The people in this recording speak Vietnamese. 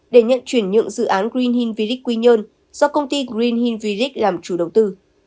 để nhận chuyển nhượng dự án green hill village quy nhơn do công ty green hill village làm chủ đầu tư